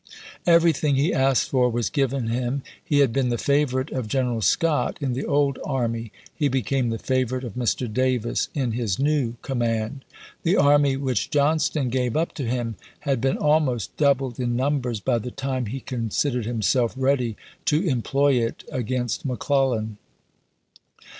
Everything he asked for was given him. He had been the favorite of Gen eral Scott in the old army ; he became the favorite of Mr. Davis in his new command. The army which Johnston gave up to him had been almost doubled in numbers by the time he considered him self ready to employ it against McClellan.